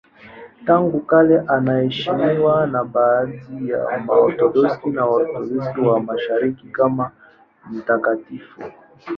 Tangu kale anaheshimiwa na baadhi ya Waorthodoksi na Waorthodoksi wa Mashariki kama mtakatifu.